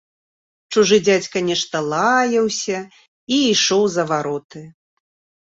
Чужы дзядзька нешта лаяўся і ішоў за вароты.